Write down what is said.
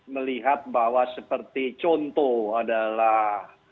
melihat bahwa seperti contoh adalah